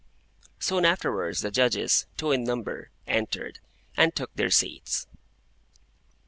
Soon afterwards the Judges, two in number, entered, and took their seats.